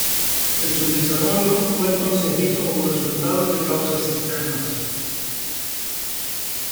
El subdesarrollo fue entonces visto como resultado de causas externas.